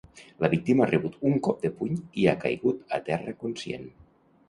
La víctima ha rebut un cop de puny i ha caigut a terra conscient.